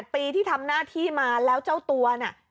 ปีที่ทำหน้าที่มาแล้วเจ้าตัวน่ะ